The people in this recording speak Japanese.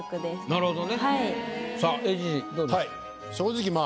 なるほど。